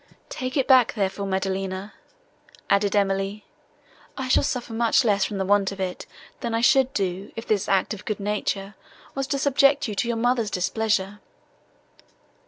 "Take it back, therefore, Maddelina," added Emily, "I shall suffer much less from the want of it, than I should do, if this act of good nature was to subject you to your mother's displeasure."